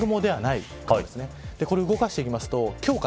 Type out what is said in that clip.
これを動かしていきます。